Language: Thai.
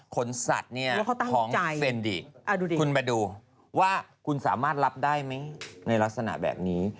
สัตว์เนี่ยของเซนดิคุณมาดูว่าคุณสามารถรับได้ไหมในลักษณะแบบนี้